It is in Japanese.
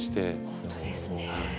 本当ですね。